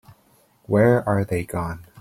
Where are they gone?